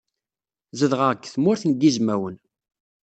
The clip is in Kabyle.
Zedɣeɣ deg Tmurt n Yizwawen.